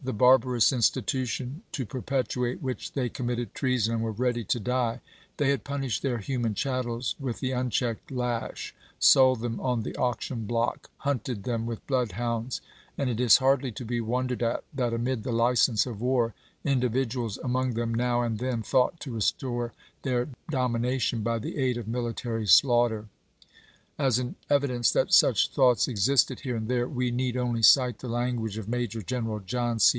barbarous institution to perpetuate which they committed treason and were ready to die, they had punished their human chattels with the unchecked lash, sold them on the auction block, hunted them with bloodhounds ; and it is hardly to be wondered at that amid the license of war individuals among them now and then thought to restore their domina tion by the aid of military slaughter. As an evi dence that such thoughts existed here and there we need only cite the language of Major General John C.